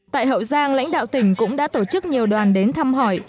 tại hậu giang lãnh đạo tỉnh cũng đã tổ chức nhiều đoàn đến thăm hỏi